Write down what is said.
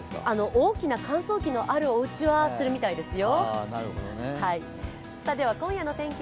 大きな乾燥機のあるおうちはするみたいですよ。